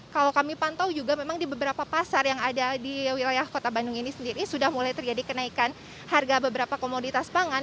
kalau kami pantau juga memang di beberapa pasar yang ada di wilayah kota bandung ini sendiri sudah mulai terjadi kenaikan harga beberapa komoditas pangan